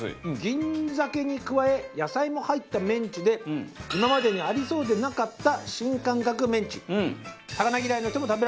銀鮭に加え野菜も入ったメンチで今までにありそうでなかった新感覚メンチ。